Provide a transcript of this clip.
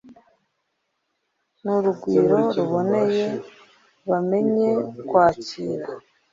n'urugwiro ruboneye bamenye kwakira